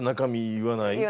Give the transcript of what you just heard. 言わない。